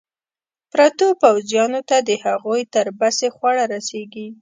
پرتو پوځیانو ته د هغوی تر بسې خواړه رسېږي.